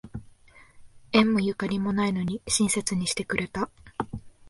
縁もゆかりもないのに親切にしてくれた